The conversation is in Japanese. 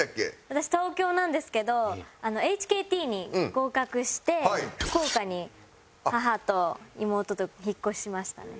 私東京なんですけどＨＫＴに合格して福岡に母と妹と引っ越しましたね。